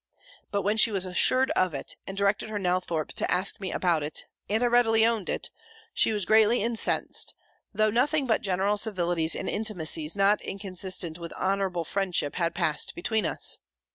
But when she was assured of it, and directed her Nelthorpe to ask me about it, and I readily owned it, she was greatly incensed, though nothing but general civilities, and intimacies not inconsistent with honourable friendship, had passed between us.